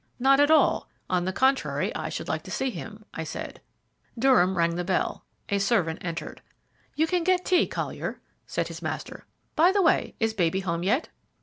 "Not at all: on the contrary, I should like to see him," I said. Durham rang the bell. A servant entered. "You can get tea, Collier," said his master. "By the way, is baby home yet?"